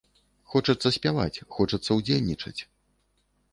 Хочацца спяваць, хочацца ўдзельнічаць.